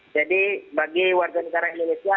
jadi bagi warga negara indonesia